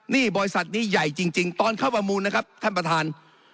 นี่บริษัทนี้ใหญ่จริงตอนเข้าประมูลนะครับท่านประธาน